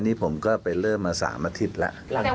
นี่ผมก็ไปเริ่มมา๓อาทิตย์แล้ว